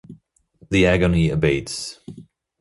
The agony abates.